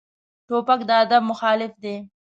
توپک د ادب مخالف دی.